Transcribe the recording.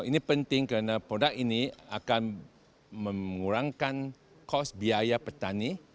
ini penting karena produk ini akan mengurangkan cost biaya petani